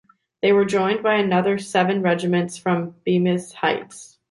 They were joined by another seven regiments from Bemis Heights.